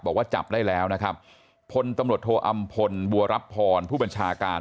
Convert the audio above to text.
บอกว่าจับได้แล้วนะครับพลตำรวจโทอำพลบัวรับพรผู้บัญชาการ